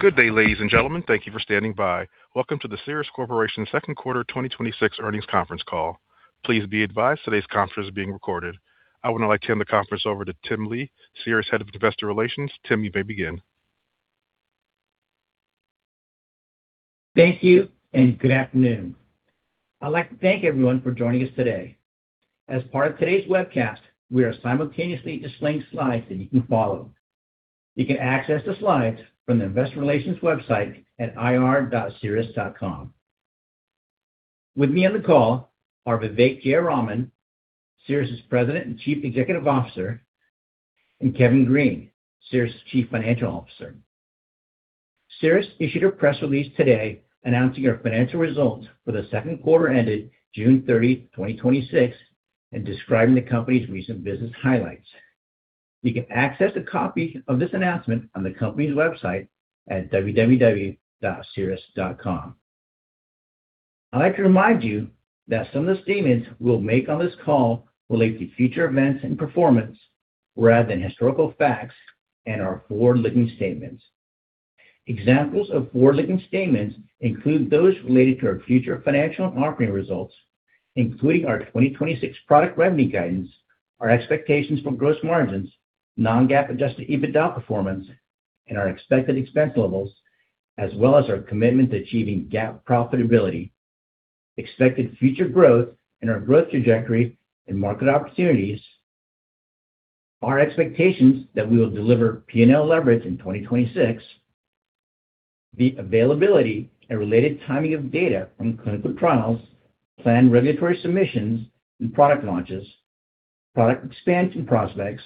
Good day, ladies and gentlemen. Thank you for standing by. Welcome to the Cerus Corporation Second Quarter 2026 Earnings Conference Call. Please be advised today's conference is being recorded. I would now like to hand the conference over to Tim Lee, Cerus' Head of Investor Relations. Tim, you may begin. Thank you. Good afternoon. I'd like to thank everyone for joining us today. As part of today's webcast, we are simultaneously displaying slides that you can follow. You can access the slides from the investor relations website at ir.cerus.com. With me on the call are Vivek Jayaraman, Cerus' President and Chief Executive Officer, and Kevin Green, Cerus' Chief Financial Officer. Cerus issued a press release today announcing our financial results for the second quarter ended June 30, 2026, and describing the company's recent business highlights. You can access a copy of this announcement on the company's website at www.cerus.com. I'd like to remind you that some of the statements we'll make on this call relate to future events and performance rather than historical facts and are forward-looking statements. Examples of forward-looking statements include those related to our future financial and operating results, including our 2026 product revenue guidance, our expectations for gross margins, non-GAAP adjusted EBITDA performance, and our expected expense levels, as well as our commitment to achieving GAAP profitability. Expected future growth and our growth trajectory and market opportunities, our expectations that we will deliver P&L leverage in 2026, the availability and related timing of data from clinical trials, planned regulatory submissions, and product launches, product expansion prospects,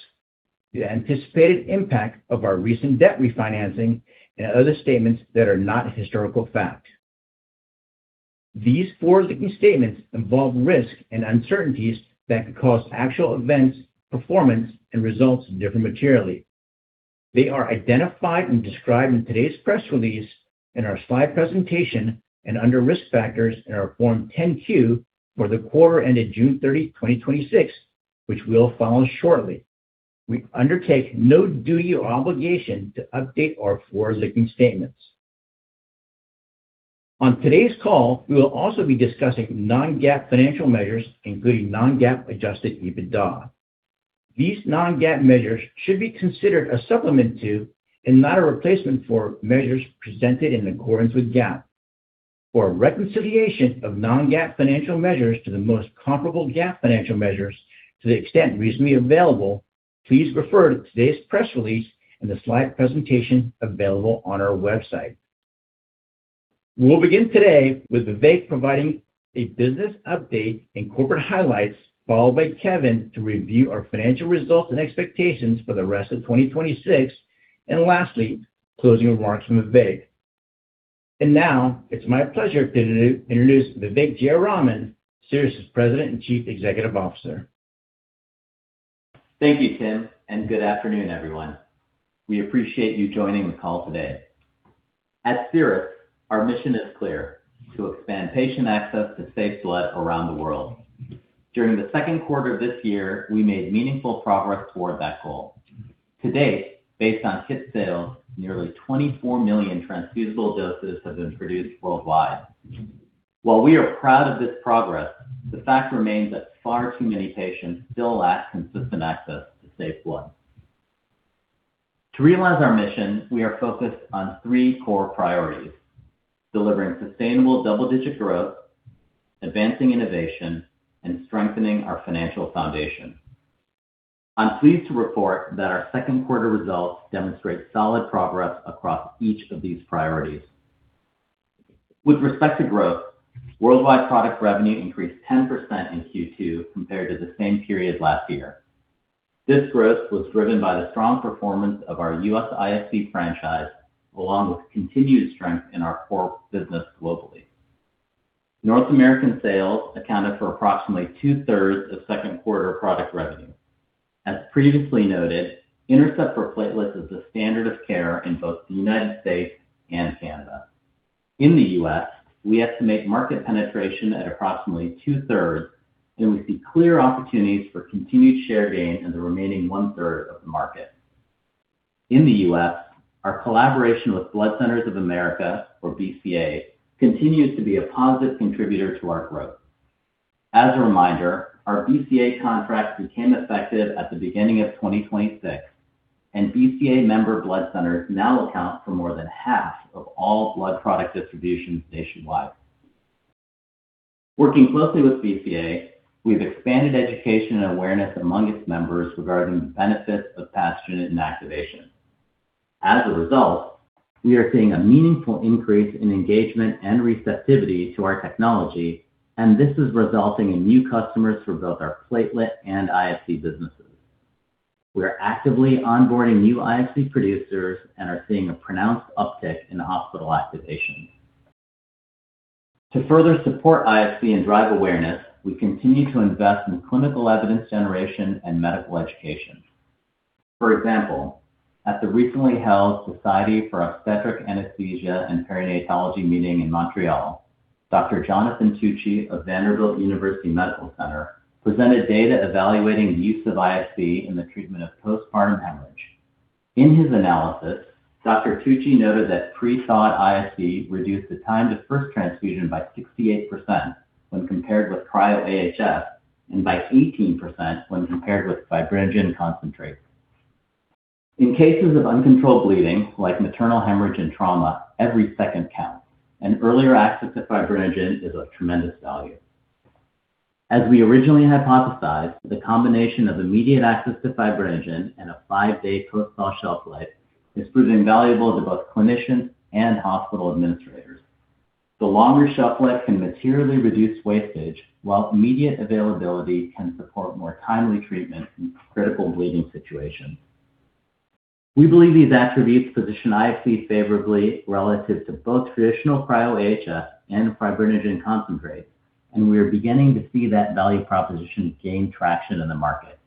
the anticipated impact of our recent debt refinancing, and other statements that are not a historical fact. These forward-looking statements involve risks and uncertainties that could cause actual events, performance, and results to differ materially. They are identified and described in today's press release, in our slide presentation, and under Risk Factors in our Form 10-Q for the quarter ended June 30, 2026, which we'll file shortly. We undertake no duty or obligation to update our forward-looking statements. On today's call, we will also be discussing non-GAAP financial measures, including non-GAAP adjusted EBITDA. These non-GAAP measures should be considered a supplement to, and not a replacement for, measures presented in accordance with GAAP. For a reconciliation of non-GAAP financial measures to the most comparable GAAP financial measures to the extent reasonably available, please refer to today's press release and the slide presentation available on our website. We'll begin today with Vivek providing a business update and corporate highlights, followed by Kevin to review our financial results and expectations for the rest of 2026, and lastly, closing remarks from Vivek. Now, it's my pleasure to introduce Vivek Jayaraman, Cerus' President and Chief Executive Officer. Thank you, Tim. Good afternoon, everyone. We appreciate you joining the call today. At Cerus, our mission is clear: to expand patient access to safe blood around the world. During the second quarter of this year, we made meaningful progress toward that goal. To date, based on kit sales, nearly 24 million transfusible doses have been produced worldwide. While we are proud of this progress, the fact remains that far too many patients still lack consistent access to safe blood. To realize our mission, we are focused on three core priorities: delivering sustainable double-digit growth, advancing innovation, and strengthening our financial foundation. I'm pleased to report that our second quarter results demonstrate solid progress across each of these priorities. With respect to growth, worldwide product revenue increased 10% in Q2 compared to the same period last year. This growth was driven by the strong performance of our U.S. IFC franchise, along with continued strength in our core business globally. North American sales accounted for approximately two-thirds of second quarter product revenue. As previously noted, INTERCEPT for platelets is the standard of care in both the United States and Canada. In the U.S., we estimate market penetration at approximately two-thirds, and we see clear opportunities for continued share gain in the remaining one-third of the market. In the U.S., our collaboration with Blood Centers of America, or BCA, continues to be a positive contributor to our growth. As a reminder, our BCA contract became effective at the beginning of 2026, and BCA member blood centers now account for more than half of all blood product distributions nationwide. Working closely with BCA, we've expanded education and awareness among its members regarding the benefits of pathogen inactivation. As a result, we are seeing a meaningful increase in engagement and receptivity to our technology. This is resulting in new customers for both our platelet and IFC businesses. We are actively onboarding new IFC producers and are seeing a pronounced uptick in hospital activations. To further support IFC and drive awareness, we continue to invest in clinical evidence generation and medical education. For example, at the recently held Society for Obstetric Anesthesia and Perinatology meeting in Montreal, Dr. Jonathan Tucci of Vanderbilt University Medical Center presented data evaluating the use of IFC in the treatment of postpartum hemorrhage. In his analysis, Dr. Tucci noted that thawed IFC reduced the time to first transfusion by 68% when compared with Cryo AHF, and by 18% when compared with fibrinogen concentrate. In cases of uncontrolled bleeding like maternal hemorrhage and trauma, every second counts. Earlier access to fibrinogen is of tremendous value. As we originally hypothesized, the combination of immediate access to fibrinogen and a five-day post-thaw shelf life is proving valuable to both clinicians and hospital administrators. The longer shelf life can materially reduce wastage, while immediate availability can support more timely treatment in critical bleeding situations. We believe these attributes position IFC favorably relative to both traditional Cryo AHF and fibrinogen concentrate. We are beginning to see that value proposition gain traction in the market.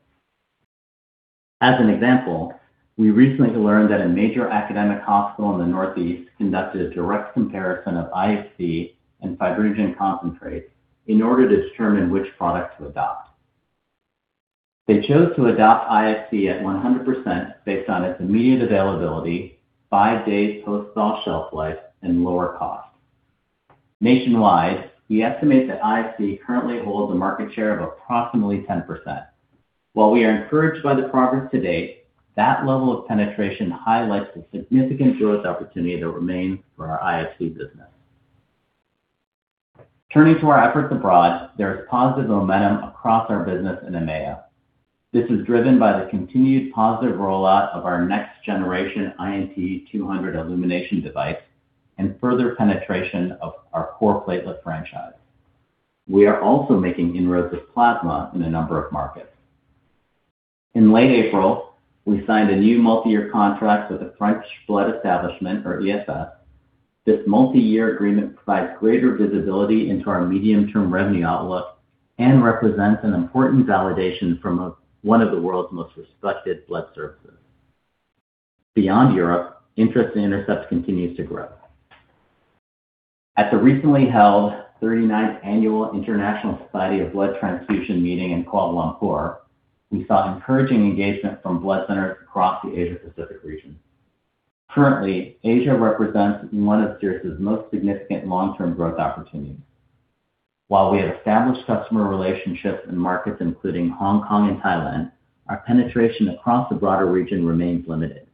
As an example, we recently learned that a major academic hospital in the Northeast conducted a direct comparison of IFC and fibrinogen concentrate in order to determine which product to adopt. They chose to adopt IFC at 100% based on its immediate availability, five-day post-thaw shelf life, and lower cost. Nationwide, we estimate that IFC currently holds a market share of approximately 10%. While we are encouraged by the progress to date, that level of penetration highlights the significant growth opportunity that remains for our IFC business. Turning to our efforts abroad, there is positive momentum across our business in EMEA. This is driven by the continued positive rollout of our next-generation INT200 illumination device and further penetration of our core platelet franchise. We are also making inroads with plasma in a number of markets. In late April, we signed a new multi-year contract with the French Blood Establishment, or EFS. This multi-year agreement provides greater visibility into our medium-term revenue outlook and represents an important validation from one of the world's most respected blood services. Beyond Europe, interest in INTERCEPT continues to grow. At the recently held 39th Annual International Society of Blood Transfusion meeting in Kuala Lumpur, we saw encouraging engagement from blood centers across the Asia-Pacific region. Currently, Asia represents one of Cerus's most significant long-term growth opportunities. While we have established customer relationships in markets including Hong Kong and Thailand, our penetration across the broader region remains limited.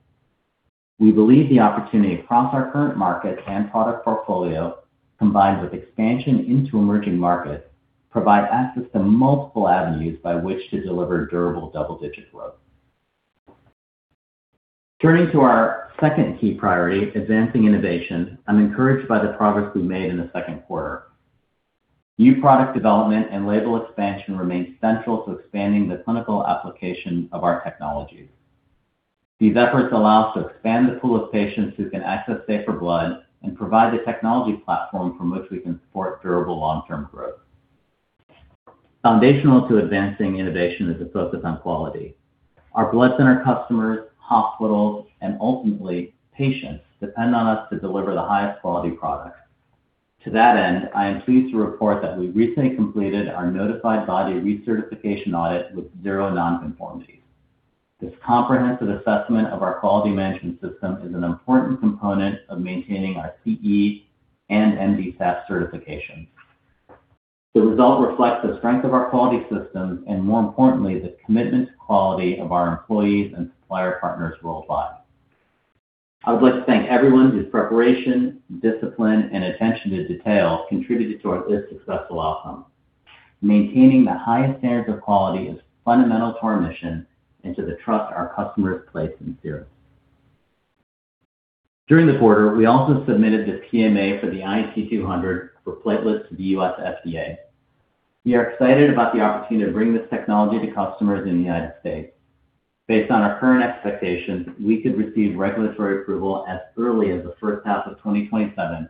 We believe the opportunity across our current markets and product portfolio, combined with expansion into emerging markets, provide access to multiple avenues by which to deliver durable double-digit growth. Turning to our second key priority, advancing innovation, I'm encouraged by the progress we made in the second quarter. New product development and label expansion remain central to expanding the clinical application of our technology. These efforts allow us to expand the pool of patients who can access safer blood and provide the technology platform from which we can support durable long-term growth. Foundational to advancing innovation is a focus on quality. Our blood center customers, hospitals, and ultimately patients depend on us to deliver the highest quality products. To that end, I am pleased to report that we recently completed our notified body recertification audit with zero non-conformities. This comprehensive assessment of our quality management system is an important component of maintaining our CE and MDSAP certifications. The result reflects the strength of our quality systems and, more importantly, the commitment to quality of our employees and supplier partners worldwide. I would like to thank everyone whose preparation, discipline, and attention to detail contributed towards this successful outcome. Maintaining the highest standards of quality is fundamental to our mission and to the trust our customers place in Cerus. During the quarter, we also submitted the PMA for the INT200 for platelets to the U.S. FDA. We are excited about the opportunity to bring this technology to customers in the United States. Based on our current expectations, we could receive regulatory approval as early as the first half of 2027,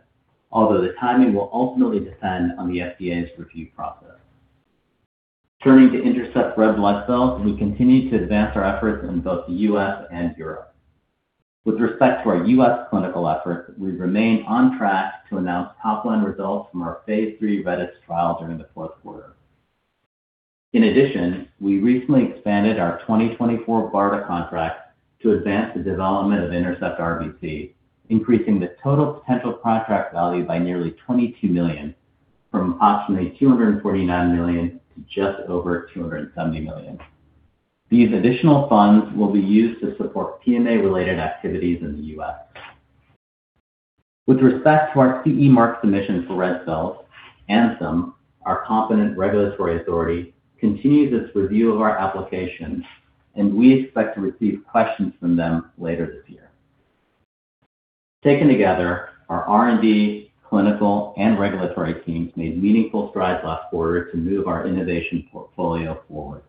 although the timing will ultimately depend on the FDA's review process. Turning to INTERCEPT red blood cells, we continue to advance our efforts in both the U.S. and Europe. With respect to our U.S. clinical efforts, we remain on track to announce top-line results from our phase III RedeS trial during the fourth quarter. In addition, we recently expanded our 2024 BARDA contract to advance the development of INTERCEPT RBC, increasing the total potential contract value by nearly $22 million, from approximately $249 million to just over $270 million. These additional funds will be used to support PMA-related activities in the U.S. With respect to our CE Mark submission for red cells, ANSM, our competent regulatory authority, continues its review of our application, and we expect to receive questions from them later this year. Taken together, our R&D, clinical, and regulatory teams made meaningful strides last quarter to move our innovation portfolio forward.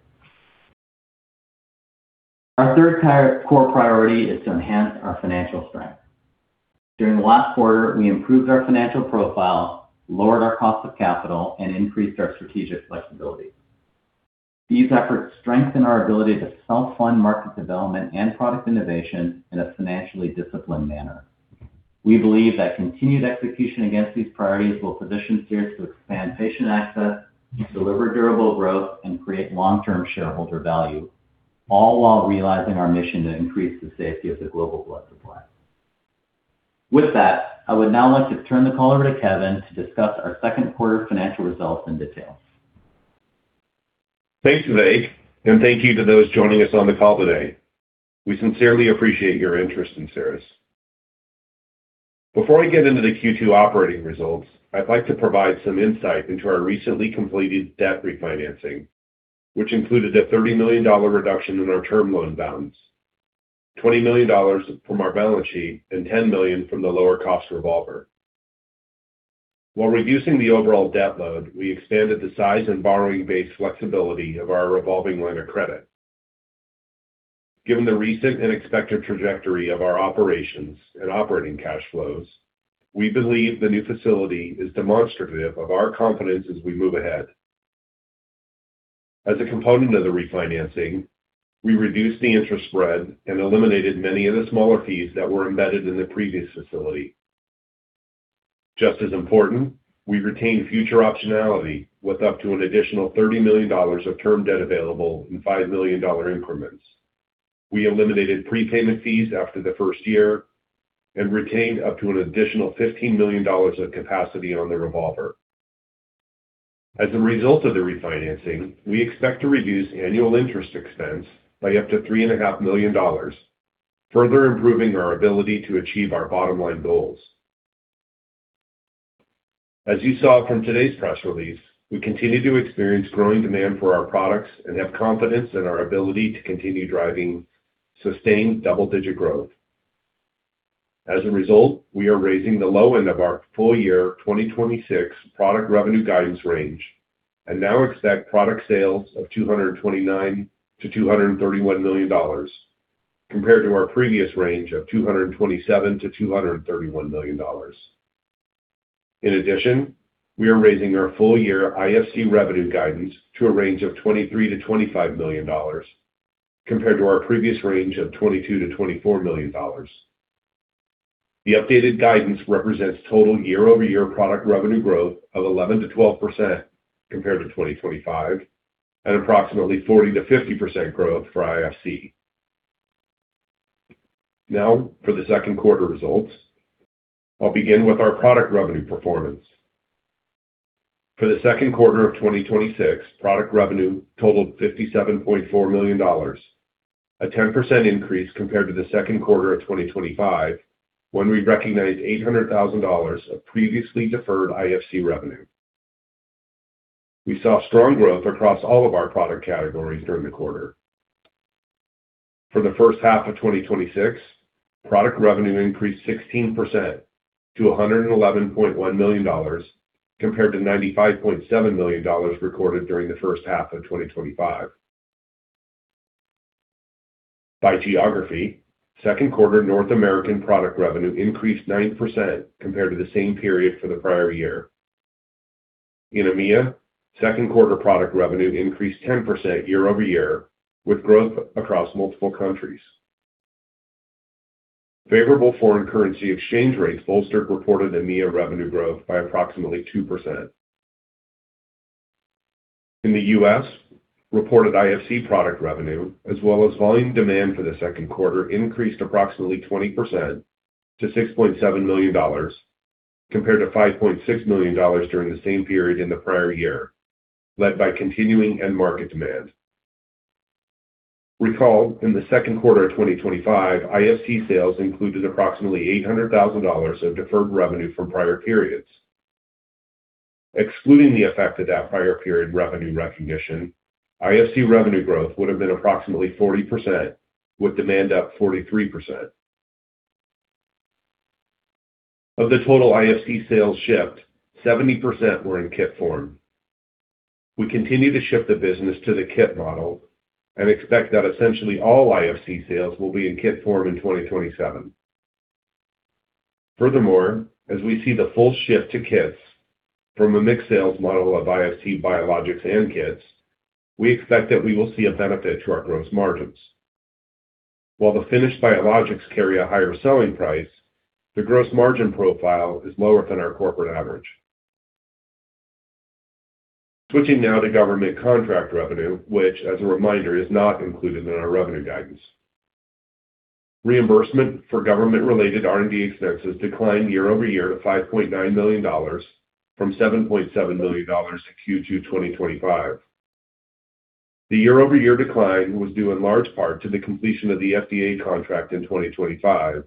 Our third core priority is to enhance our financial strength. During the last quarter, we improved our financial profile, lowered our cost of capital, and increased our strategic flexibility. These efforts strengthen our ability to self-fund market development and product innovation in a financially disciplined manner. We believe that continued execution against these priorities will position Cerus to expand patient access, deliver durable growth, and create long-term shareholder value, all while realizing our mission to increase the safety of the global blood supply. With that, I would now like to turn the call over to Kevin to discuss our second quarter financial results in detail. Thanks, Vivek, and thank you to those joining us on the call today. We sincerely appreciate your interest in Cerus. Before I get into the Q2 operating results, I'd like to provide some insight into our recently completed debt refinancing, which included a $30 million reduction in our term loan balance, $20 million from our balance sheet, and $10 million from the lower cost revolver. While reducing the overall debt load, we expanded the size and borrowing base flexibility of our revolving line of credit. Given the recent and expected trajectory of our operations and operating cash flows, we believe the new facility is demonstrative of our confidence as we move ahead. As a component of the refinancing, we reduced the interest spread and eliminated many of the smaller fees that were embedded in the previous facility. Just as important, we retained future optionality with up to an additional $30 million of term debt available in $5 million increments. We eliminated prepayment fees after the first year and retained up to an additional $15 million of capacity on the revolver. As a result of the refinancing, we expect to reduce annual interest expense by up to $3.5 million, further improving our ability to achieve our bottom-line goals. As you saw from today's press release, we continue to experience growing demand for our products and have confidence in our ability to continue driving sustained double-digit growth. As a result, we are raising the low end of our full year 2026 product revenue guidance range and now expect product sales of $229 million-$231 million, compared to our previous range of $227 million-$231 million. In addition, we are raising our full-year IFC revenue guidance to a range of $23 million-$25 million, compared to our previous range of $22 million-$24 million. The updated guidance represents total year-over-year product revenue growth of 11%-12% compared to 2025 and approximately 40%-50% growth for IFC. Now for the second quarter results. I will begin with our product revenue performance. For the second quarter of 2026, product revenue totaled $57.4 million, a 10% increase compared to the second quarter of 2025, when we recognized $800,000 of previously deferred IFC revenue. We saw strong growth across all of our product categories during the quarter. For the first half of 2026, product revenue increased 16% to $111.1 million, compared to $95.7 million recorded during the first half of 2025. By geography, second quarter North American product revenue increased 9% compared to the same period for the prior year. In EMEA, second quarter product revenue increased 10% year-over-year, with growth across multiple countries. Favorable foreign currency exchange rates bolstered reported EMEA revenue growth by approximately 2%. In the U.S., reported IFC product revenue, as well as volume demand for the second quarter, increased approximately 20% to $6.7 million, compared to $5.6 million during the same period in the prior year, led by continuing and market demand. Recall, in the second quarter of 2025, IFC sales included approximately $800,000 of deferred revenue from prior periods. Excluding the effect of that prior period revenue recognition, IFC revenue growth would have been approximately 40%, with demand up 43%. Of the total IFC sales shipped, 70% were in kit form. We continue to shift the business to the kit model and expect that essentially all IFC sales will be in kit form in 2027. Furthermore, as we see the full shift to kits from a mixed sales model of IFC biologics and kits, we expect that we will see a benefit to our gross margins. While the finished biologics carry a higher selling price, the gross margin profile is lower than our corporate average. Switching now to government contract revenue, which as a reminder, is not included in our revenue guidance. Reimbursement for government-related R&D expenses declined year-over-year to $5.9 million from $7.7 million in Q2 2025. The year-over-year decline was due in large part to the completion of the FDA contract in 2025,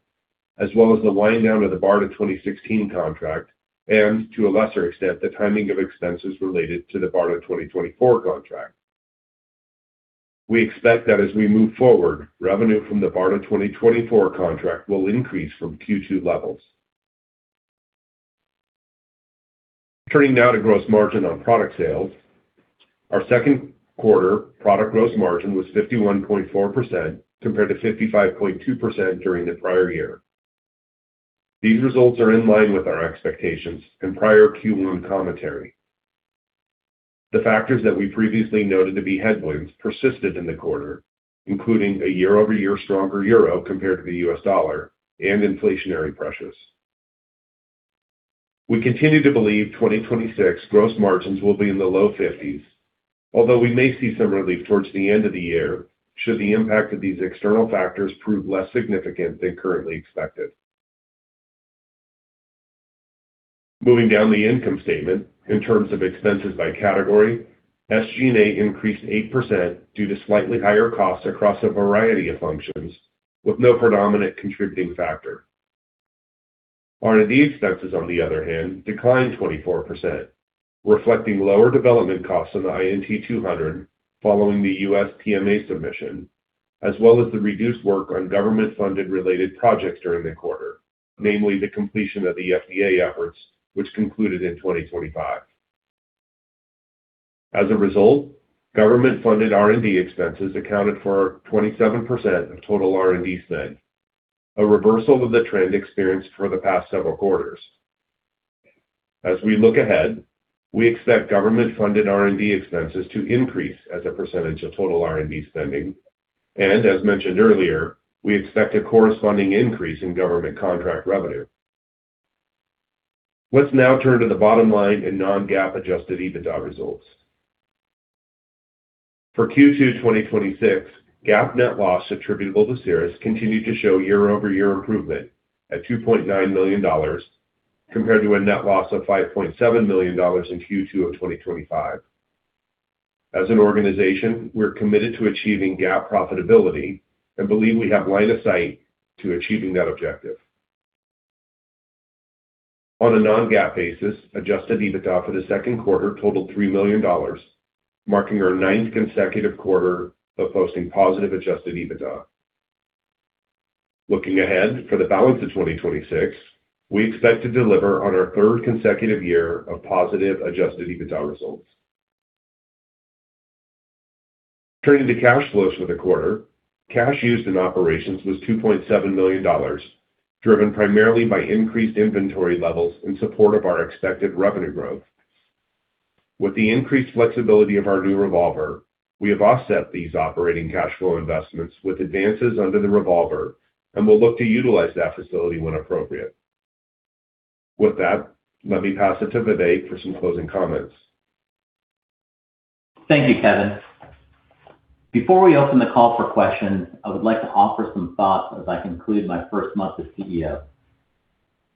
as well as the wind-down of the BARDA 2016 contract and, to a lesser extent, the timing of expenses related to the BARDA 2024 contract. We expect that as we move forward, revenue from the BARDA 2024 contract will increase from Q2 levels. Turning now to gross margin on product sales. Our second quarter product gross margin was 51.4% compared to 55.2% during the prior year. These results are in line with our expectations and prior Q1 commentary. The factors that we previously noted to be headwinds persisted in the quarter, including a year-over-year stronger euro compared to the U.S. dollar and inflationary pressures. We continue to believe 2026 gross margins will be in the low 50s, although we may see some relief towards the end of the year should the impact of these external factors prove less significant than currently expected. Moving down the income statement, in terms of expenses by category, SG&A increased 8% due to slightly higher costs across a variety of functions, with no predominant contributing factor. R&D expenses, on the other hand, declined 24%, reflecting lower development costs on the INT200 following the U.S. PMA submission, as well as the reduced work on government-funded related projects during the quarter, namely the completion of the FDA efforts, which concluded in 2025. As a result, government-funded R&D expenses accounted for 27% of total R&D spend, a reversal of the trend experienced for the past several quarters. As we look ahead, we expect government-funded R&D expenses to increase as a percentage of total R&D spending and as mentioned earlier, we expect a corresponding increase in government contract revenue. Let's now turn to the bottom line in non-GAAP adjusted EBITDA results. For Q2 2026, GAAP net loss attributable to Cerus continued to show year-over-year improvement at $2.9 million, compared to a net loss of $5.7 million in Q2 of 2025. As an organization, we're committed to achieving GAAP profitability and believe we have line of sight to achieving that objective. On a non-GAAP basis, adjusted EBITDA for the second quarter totaled $3 million, marking our ninth consecutive quarter of posting positive adjusted EBITDA. Looking ahead for the balance of 2026, we expect to deliver on our third consecutive year of positive adjusted EBITDA results. Turning to cash flows for the quarter. Cash used in operations was $2.7 million, driven primarily by increased inventory levels in support of our expected revenue growth. With the increased flexibility of our new revolver, we have offset these operating cash flow investments with advances under the revolver and will look to utilize that facility when appropriate. With that, let me pass it to Vivek for some closing comments. Thank you, Kevin. Before we open the call for questions, I would like to offer some thoughts as I conclude my first month as CEO.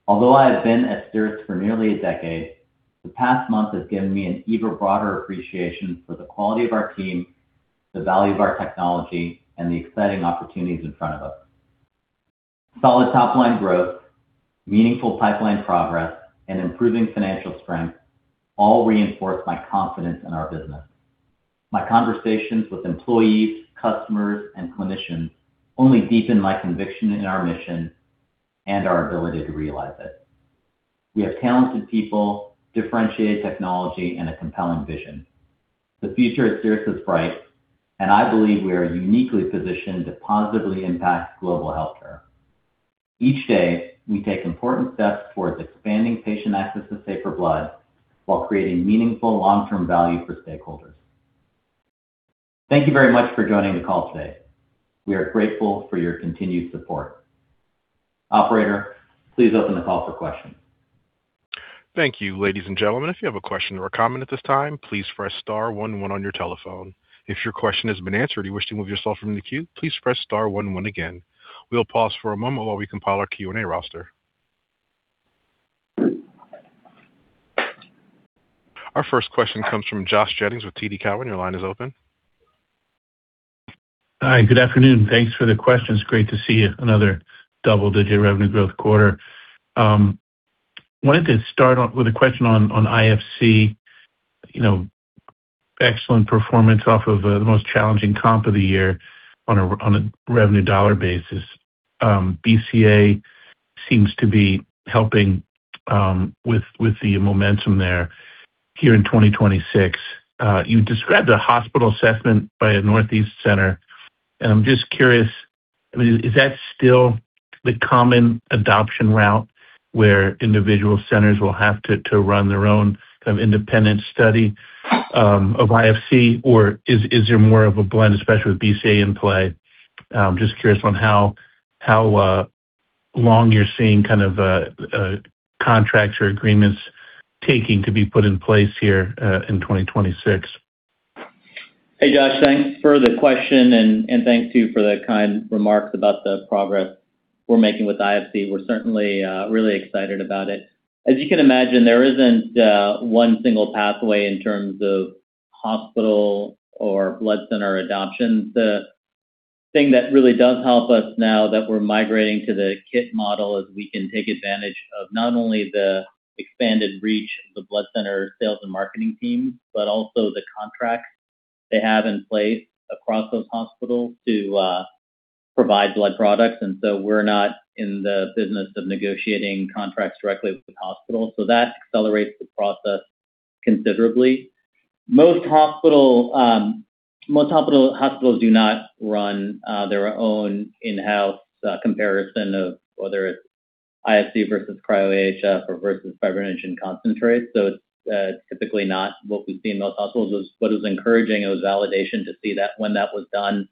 Although I have been at Cerus for nearly a decade, the past month has given me an even broader appreciation for the quality of our team, the value of our technology, and the exciting opportunities in front of us. Solid top-line growth, meaningful pipeline progress, and improving financial strength all reinforce my confidence in our business. My conversations with employees, customers, and clinicians only deepen my conviction in our mission and our ability to realize it. We have talented people, differentiated technology, and a compelling vision. The future at Cerus is bright, and I believe we are uniquely positioned to positively impact global healthcare. Each day, we take important steps towards expanding patient access to safer blood while creating meaningful long-term value for stakeholders. Thank you very much for joining the call today. We are grateful for your continued support. Operator, please open the call for questions. Thank you, ladies and gentlemen. If you have a question or a comment at this time, please press star one one on your telephone. If your question has been answered and you wish to move yourself from the queue, please press star one one again. We will pause for a moment while we compile our Q&A roster. Our first question comes from Josh Jennings with TD Cowen. Your line is open. Hi. Good afternoon. Thanks for the questions. Great to see another double-digit revenue growth quarter. Wanted to start off with a question on IFC. Excellent performance off of the most challenging comp of the year on a revenue dollar basis. BCA seems to be helping with the momentum there here in 2026. You described a hospital assessment by a Northeast center, and I am just curious, is that still the common adoption route where individual centers will have to run their own kind of independent study of IFC, or is there more of a blend, especially with BCA in play? I am just curious on how long you are seeing contracts or agreements taking to be put in place here in 2026. Hey, Josh. Thanks for the question, and thanks, too, for the kind remarks about the progress we are making with IFC. We are certainly really excited about it. As you can imagine, there is not one single pathway in terms of hospital or blood center adoption. The thing that really does help us now that we are migrating to the kit model is we can take advantage of not only the expanded reach of the blood center sales and marketing teams, but also the contracts they have in place across those hospitals to provide blood products. That accelerates the process considerably. Most hospitals do not run their own in-house comparison of whether it is IFC versus cryo AHF or versus fibrinogen concentrate. It is typically not what we see in most hospitals. What was encouraging, it was validation to see that when that was done,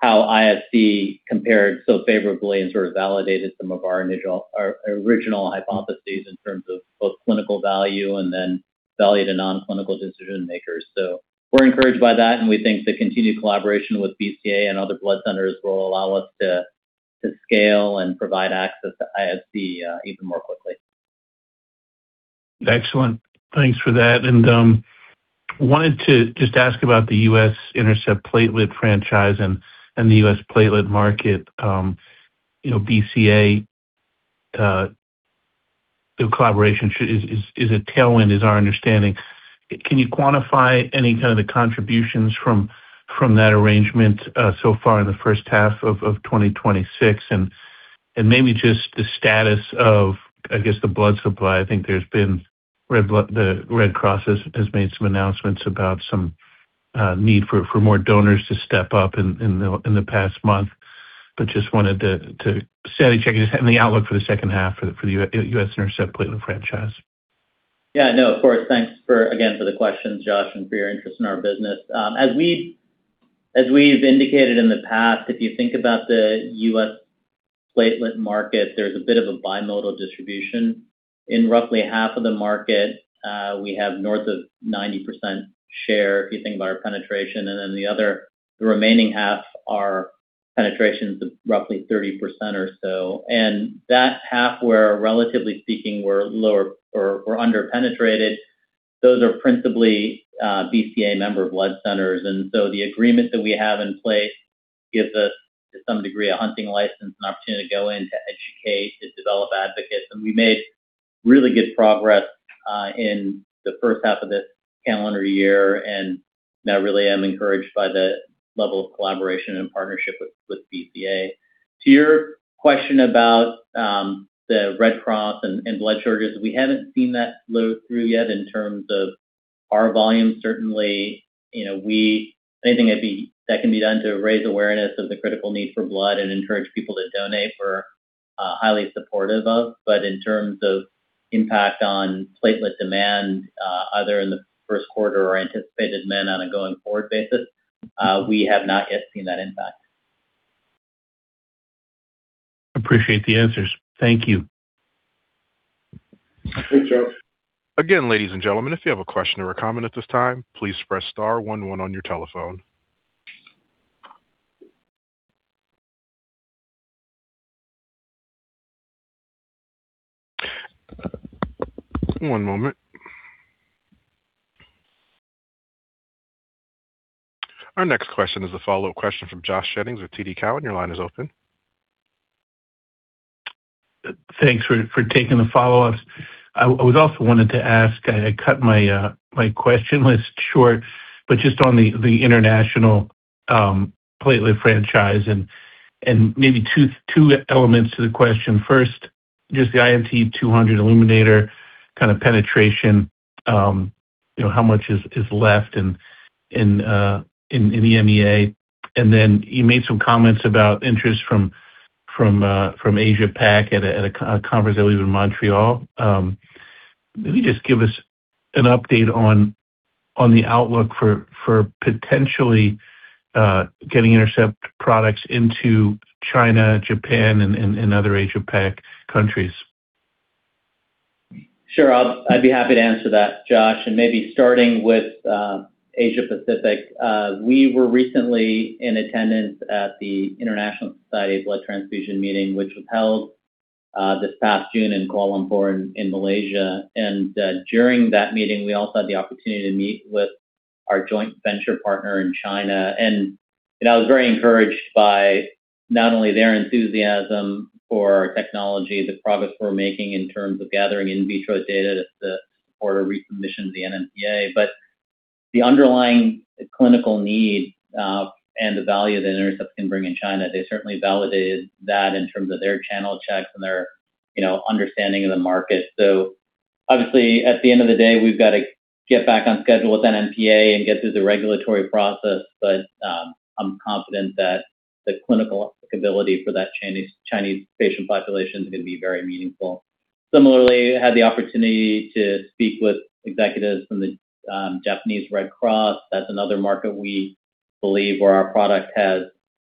how IFC compared so favorably and sort of validated some of our original hypotheses in terms of both clinical value and then value to non-clinical decision-makers. We are encouraged by that, and we think the continued collaboration with BCA and other blood centers will allow us to scale and provide access to IFC even more quickly. Excellent. Thanks for that. Wanted to just ask about the U.S. INTERCEPT platelet franchise and the U.S. platelet market. BCA, the collaboration is a tailwind, is our understanding. Can you quantify any of the contributions from that arrangement so far in the first half of 2026 and maybe just the status of, I guess, the blood supply? I think the Red Cross has made some announcements about some need for more donors to step up in the past month, just wanted to sanity check and just having the outlook for the second half for the U.S. INTERCEPT platelet franchise. No, of course. Thanks again for the question, Josh, and for your interest in our business. As we've indicated in the past, if you think about the U.S. platelet market, there's a bit of a bimodal distribution. In roughly half of the market, we have north of 90% share, if you think about our penetration, then the remaining half, our penetration's roughly 30% or so. That half where, relatively speaking, we're lower or under-penetrated, those are principally BCA member blood centers. The agreement that we have in place gives us, to some degree, a hunting license, an opportunity to go in to educate, to develop advocates. We made really good progress in the first half of this calendar year, I really am encouraged by the level of collaboration and partnership with BCA. To your question about the Red Cross and blood shortages, we haven't seen that flow through yet in terms of our volume. Certainly, anything that can be done to raise awareness of the critical need for blood and encourage people to donate, we're highly supportive of. In terms of impact on platelet demand, either in the first quarter or anticipated demand on a going forward basis, we have not yet seen that impact. Appreciate the answers. Thank you. Thanks, Josh. Again, ladies and gentlemen, if you have a question or a comment at this time, please press star one one on your telephone. One moment. Our next question is a follow-up question from Josh Jennings with TD Cowen. Your line is open. Thanks for taking the follow-ups. I also wanted to ask, I cut my question list short, but just on the international platelet franchise and maybe two elements to the question. First, just the INT200 illuminator penetration. How much is left in EMEA? Then you made some comments about interest from Asia Pac at a conference, I believe, in Montreal. Maybe just give us an update on the outlook for potentially getting INTERCEPT products into China, Japan, and other Asia Pac countries. Sure. I'd be happy to answer that, Josh. Maybe starting with Asia Pacific. We were recently in attendance at the International Society of Blood Transfusion meeting, which was held this past June in Kuala Lumpur in Malaysia. During that meeting, we also had the opportunity to meet with our joint venture partner in China. I was very encouraged by not only their enthusiasm for our technology, the progress we're making in terms of gathering in-vitro data to support a re-submission to the NMPA, but the underlying clinical need and the value that INTERCEPT can bring in China. They certainly validated that in terms of their channel checks and their understanding of the market. Obviously, at the end of the day, we've got to get back on schedule with NMPA and get through the regulatory process. I'm confident that the clinical applicability for that Chinese patient population is going to be very meaningful. Similarly, had the opportunity to speak with executives from the Japanese Red Cross. That's another market we believe where our product has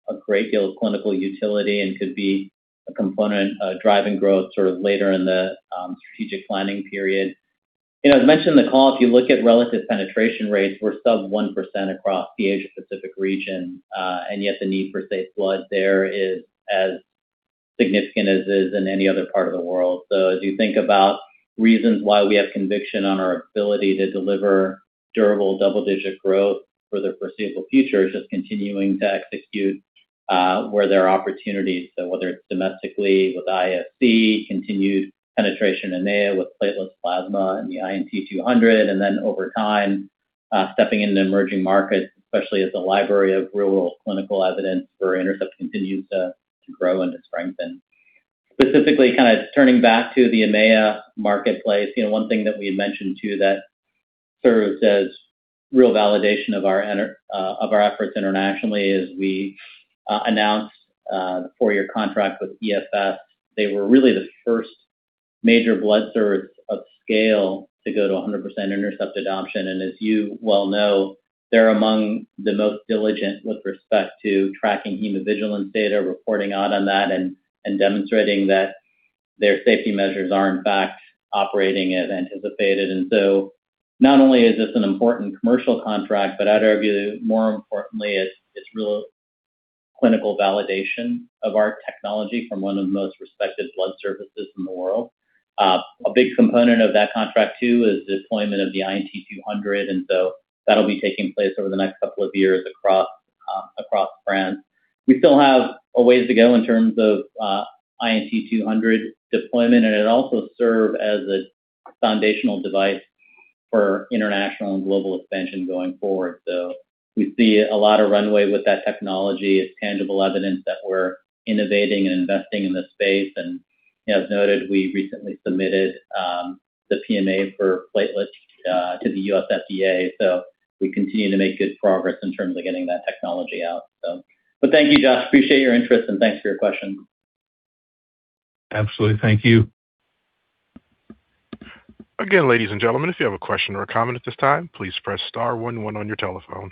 a great deal of clinical utility and could be a component driving growth later in the strategic planning period. As mentioned in the call, if you look at relative penetration rates, we're sub 1% across the Asia Pacific region. Yet the need for safe blood there is as significant as it is in any other part of the world. As you think about reasons why we have conviction on our ability to deliver durable double-digit growth for the foreseeable future is just continuing to execute where there are opportunities. Whether it's domestically with IFC, continued penetration in EMEA with platelet plasma and the INT200, then over time, stepping into emerging markets, especially as the library of real-world clinical evidence for INTERCEPT continues to grow and to strengthen. Specifically, kind of turning back to the EMEA marketplace, one thing that we had mentioned, too, that serves as real validation of our efforts internationally, is we announced the four-year contract with EFS. They were really the first major blood service of scale to go to 100% INTERCEPT adoption. As you well know, they're among the most diligent with respect to tracking hemovigilance data, reporting out on that, and demonstrating that their safety measures are in fact operating as anticipated. Not only is this an important commercial contract, but I'd argue more importantly, it's real clinical validation of our technology from one of the most respected blood services in the world. A big component of that contract, too, is the deployment of the INT200, and so that'll be taking place over the next couple of years across France. We still have a ways to go in terms of INT200 deployment, and it'll also serve as a foundational device for international and global expansion going forward. We see a lot of runway with that technology. It's tangible evidence that we're innovating and investing in the space. As noted, we recently submitted the PMA for platelets to the U.S. FDA, so we continue to make good progress in terms of getting that technology out. Thank you, Josh. Appreciate your interest, and thanks for your question. Absolutely. Thank you. Again, ladies and gentlemen, if you have a question or a comment at this time, please press star one one on your telephone.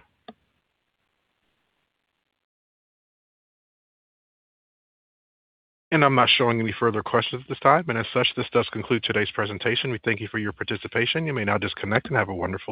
I'm not showing any further questions at this time, and as such, this does conclude today's presentation. We thank you for your participation. You may now disconnect and have a wonderful day.